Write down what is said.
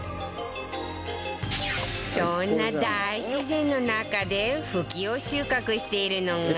そんな大自然の中でフキを収穫しているのが